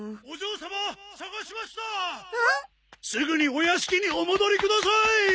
すぐにお屋敷にお戻りください！